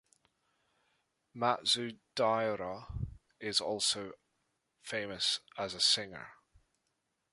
Matsudaira is also famous as a singer.